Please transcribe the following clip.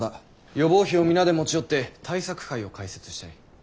予防費を皆で持ち寄って対策会を開設したい。